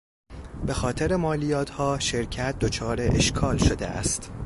به خاطر مالیاتها شرکت دچار اشکال شده است.